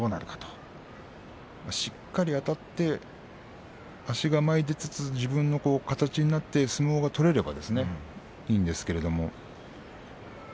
しっかりあたって足が前に出つつ自分の形になって相撲が取れればいいんですけどね。